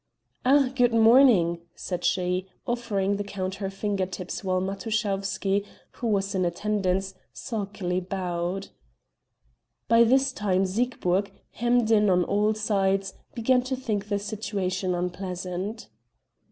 "Ah, good morning," said she, offering the count her finger tips while Matuschowsky, who was in attendance, sulkily bowed. By this time Siegburg, hemmed in on all sides, began to think the situation unpleasant.